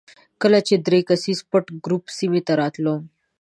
کله چې درې کسیز پټ ګروپ سیمې ته راتلو.